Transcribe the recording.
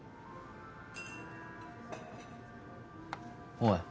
おい。